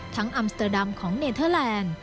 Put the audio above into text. อัมสเตอร์ดัมของเนเทอร์แลนด์